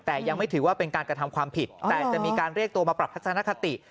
แต่ยังไม่ถือว่าเป็นการกระทำความผิดแต่จะมีการเรียกตัวมาปรับทัศนคติ